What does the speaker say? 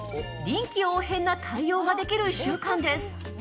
臨機応変な対応ができる１週間です。